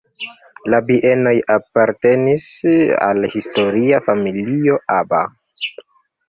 La bienoj apartenis al historia familio "Aba".